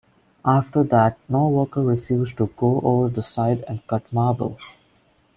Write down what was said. After that no worker refused to go over the side and cut marble.